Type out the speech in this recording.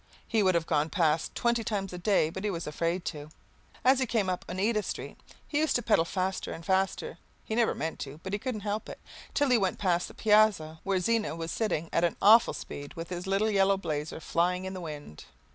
He would have gone past twenty times a day but he was afraid to. As he came up Oneida Street, he used to pedal faster and faster, he never meant to, but he couldn't help it, till he went past the piazza where Zena was sitting at an awful speed with his little yellow blazer flying in the wind.